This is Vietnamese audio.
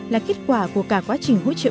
là kết quả của cả quá trình hỗ trợ